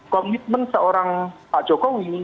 komitmen seorang pak jokowi